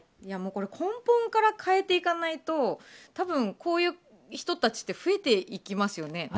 根本から変えていかないと多分、こういう人たちは増えていきますよね。